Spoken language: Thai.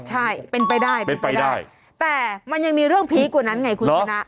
ใช่เป็นไปได้เป็นไปได้แต่มันยังมีเรื่องพีคกว่านั้นไงคุณชนะ